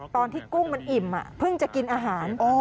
กุ้งมันอิ่มเพิ่งจะกินอาหาร